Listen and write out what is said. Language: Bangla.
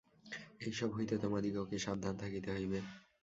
এইসব হইতে তোমাদিগকে সাবধান হইতে হইবে।